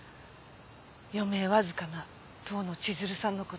余命わずかな遠野千鶴さんの事を。